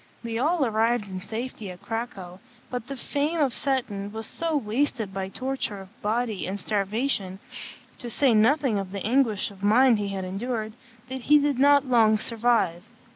They all arrived in safety at Cracow; but the frame of Seton was so wasted by torture of body and starvation, to say nothing of the anguish of mind he had endured, that he did not long survive.